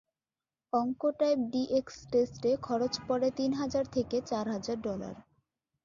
Oncotype DX টেস্টে খরচ পড়ে তিন হাজার থেকে চার হাজার ডলার।